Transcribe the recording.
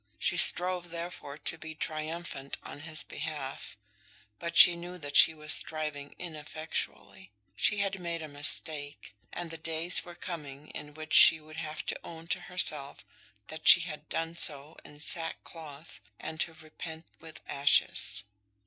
She strove, therefore, to be triumphant on his behalf, but she knew that she was striving ineffectually. She had made a mistake, and the days were coming in which she would have to own to herself that she had done so in sackcloth, and to repent with ashes.